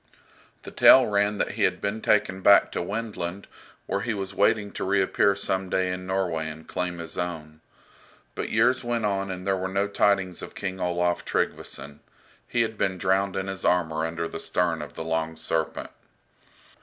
The tale ran that he had been taken back to Wendland, where he was waiting to reappear some day in Norway and claim his own. But years went on and there were no tidings of King Olaf Tryggveson. He had been drowned in his armour under the stern of the "Long Serpent."